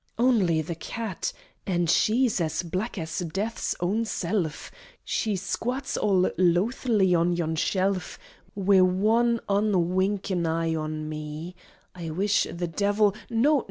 _ Only the cat! An' she's as black as Death's own self, She squats all loathly on yon shelf, Wi' one unwinkin' eye on me I wish the Devil No!